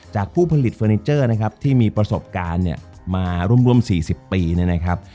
ผู้ผลิตเฟอร์นิเจอร์นะครับที่มีประสบการณ์เนี่ยมาร่วม๔๐ปีเนี่ยนะครับ